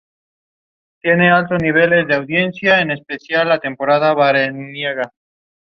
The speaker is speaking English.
The primary argument against it involved cost.